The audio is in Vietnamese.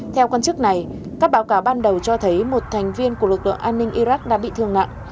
theo quan chức này các báo cáo ban đầu cho thấy một thành viên của lực lượng an ninh iraq đã bị thương nặng